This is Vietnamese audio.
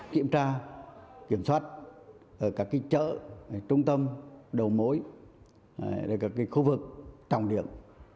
kiểm tra kiểm soát ở các chợ trung tâm đầu mối ở các khu vực trọng điểm